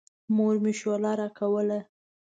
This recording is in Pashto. مور مې شوله راکوله.